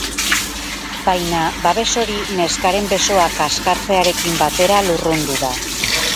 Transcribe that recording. Baina babes hori neskaren besoak askatzearekin batera lurrundu da.